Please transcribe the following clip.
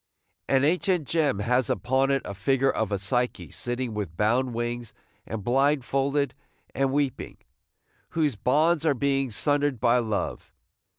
An ancient gem has upon it a figure of a Psyche sitting with bound wings and blindfolded and weeping, whose bonds are being sundered by Love.